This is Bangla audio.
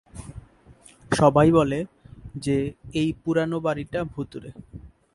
সবাই বলে যে এই পুরানো বাড়িটা ভুতুড়ে।